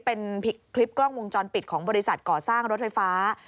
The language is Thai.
เป็นคลิปกล้องวงจรปิดของบริษัทก่อสร้างรถไฟฟ้า